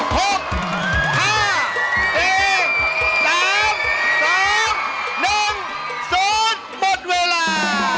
หมดเวลา